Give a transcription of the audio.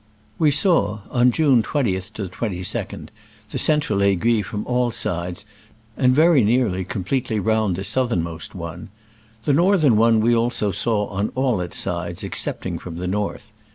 We saw (on June 20 22) the central Aiguille from all sides, and very nearly completely round the southernmost one. The northern one we also saw on all sides excepting from the north.